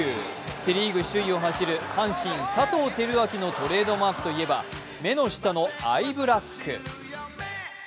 セ・リーグ首位を走る阪神・佐藤輝明のトレードマークといえば、目の下のアイブラック。